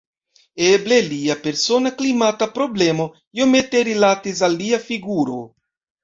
Eble lia persona klimata problemo iomete rilatis al lia figuro.